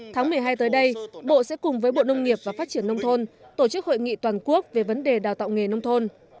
tháng một mươi hai tới đây bộ sẽ cùng với bộ nông nghiệp và phát triển nông thôn tổ chức hội nghị toàn quốc về vấn đề đào tạo nghề nông thôn